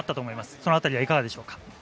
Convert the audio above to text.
そのあたりはいかがでしょうか。